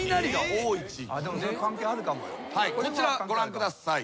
こちらご覧ください。